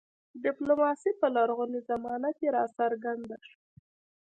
ډیپلوماسي په لرغونې زمانه کې راڅرګنده شوه